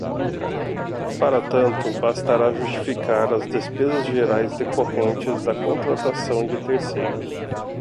Para tanto, bastará justificar as despesas gerais decorrentes da contratação de terceiros.